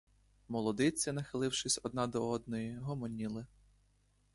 Молодиці, нахилившись одна до одної, гомоніли.